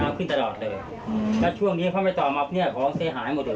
น้ำขึ้นตลอดเลยแล้วช่วงนี้พอไม่ต่อมับเนี้ยของเสียหายหมดเลย